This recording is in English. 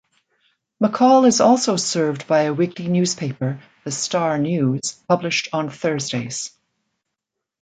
McCall is also served by a weekly newspaper "The Star News", published on Thursdays.